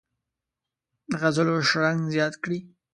د غزلو شرنګ زیات کړي.